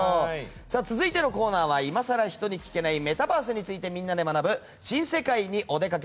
続いてのコーナーは今さら人に聞けないメタバースについてみんなで学ぶ新世界にお出かけ！